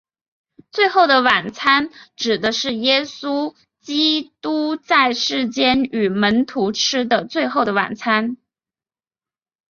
最后的晚餐指的是耶稣基督在世间与门徒吃的最后的晚餐。